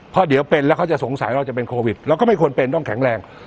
เพราะเดี๋ยวเป็นแล้วเขาจะสงสัยเราจะเป็นโควิดเราก็ไม่ควรเป็นต้องแข็งแรง